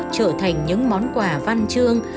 trở thành những món quà văn chương